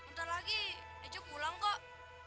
ntar lagi ndeja pulang kok